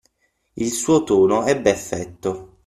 Il suo tono ebbe effetto.